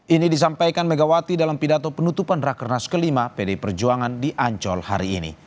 ini disampaikan megawati dalam pidato penutupan rakernas kelima pdi perjuangan di ancol hari ini